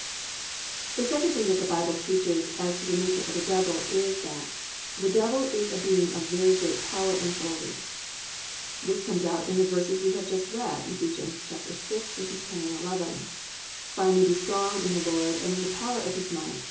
_ 2. The second thing that the Bible teaches as to the nature of the Devil, is that, the Devil is a being of very great power and authority. This comes out in the verses we have just read, Eph. 6:10, 11: +"Finally be strong in the Lord, and in the power of his might.